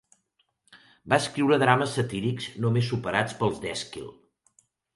Va escriure drames satírics només superats pels d'Èsquil.